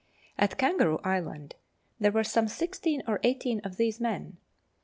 At Kangaroo Island, there were some sixteen or eighteen of these men.